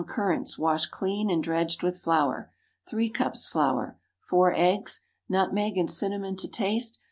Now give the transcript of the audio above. currants, washed clean and dredged with flour. 3 cups flour. 4 eggs. Nutmeg and cinnamon to taste.